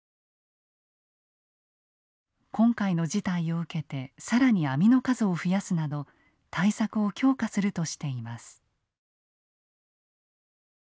今回の事態を受けて更に網の数を増やすなど対策を強化するとしています。